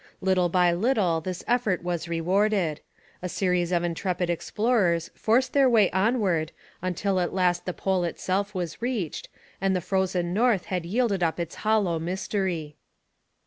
Little by little this effort was rewarded. A series of intrepid explorers forced their way onward until at last the Pole itself was reached and the frozen North had yielded up its hollow mystery.